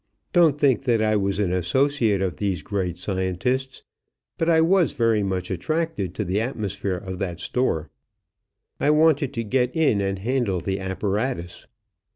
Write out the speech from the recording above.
Don't think that I was an associate of these great scientists, but I was very much attracted to the atmosphere of that store. I wanted to get in and handle the apparatus.